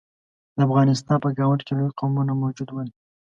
د افغانستان په ګاونډ کې لوی قومونه موجود ول.